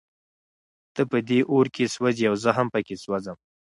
ته په دې اور کې سوزې او زه هم پکې سوزم.